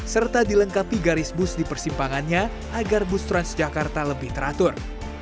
serta dilengkapi garis bus di persimpangannya agar bus transjakarta lebih teratur